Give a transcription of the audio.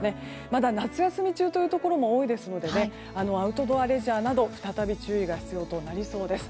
まだ夏休み中というところも多いですのでアウトドアレジャーなど再び注意が必要となりそうです。